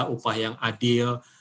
upaya yang adil